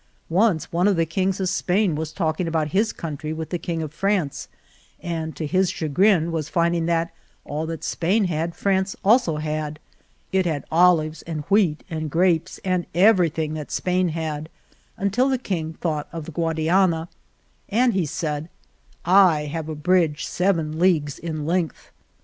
Once one of the kings of Spain was talking about his country with the king of France, and to his chagrin was finding that all that Spain had, France also had. It had olives and wheat and grapes, and everything that Spain had, until the king thought of the Guadiana, and he said :* I have a bridge seven leagues in length.'